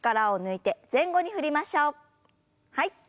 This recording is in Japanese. はい。